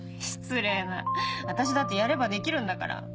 失礼な私だってやればできるんだから。